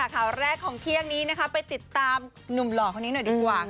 ข่าวแรกของเที่ยงนี้นะคะไปติดตามหนุ่มหล่อคนนี้หน่อยดีกว่า